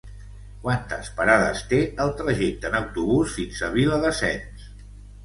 Quantes parades té el trajecte en autobús fins a Viladasens?